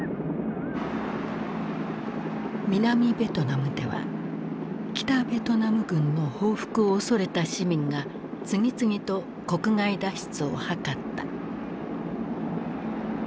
南ベトナムでは北ベトナム軍の報復を恐れた市民が次々と国外脱出を図った。